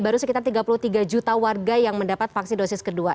baru sekitar tiga puluh tiga juta warga yang mendapat vaksin dosis kedua